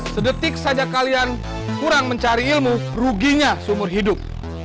sedetik saja kalian kurang mencari ilmu ruginya seumur hidup